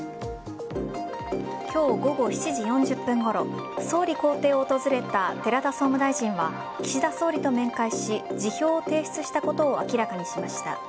今日午後７時４０分ごろ総理公邸を訪れた寺田総務大臣は岸田総理と面会し辞表を提出したことを明らかにしました。